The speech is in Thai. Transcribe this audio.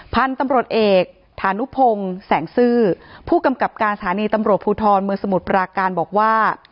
พันธุ์ตำรวจเอกฐานุพงศ์แสงซื่อผู้กำกับการสถานีตำรวจภูทรเมืองสมุทรปราการบอกว่า